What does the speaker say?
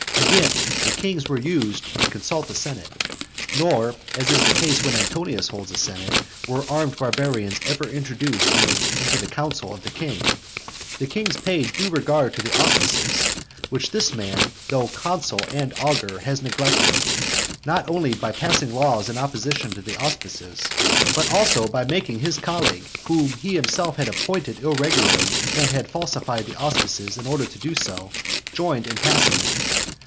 Again, the kings were used to consult the senate; nor, as is the case when Antonius holds a senate, were armed barbarians ever introduced into the council of the king. The kings paid due regard to the auspices, which this man, though consul and augur, has neglected, not only by passing laws in opposition to the auspices, but also by making his colleague (whom he himself had appointed irregularly, and had falsified the auspices in order to do so) join in passing them.